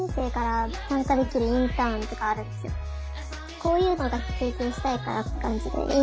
こういうのが経験したいからって感じでハハハハハ！